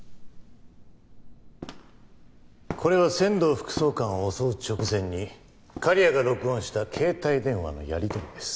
これは千堂副総監を襲う直前に刈谷が録音した携帯電話のやり取りです。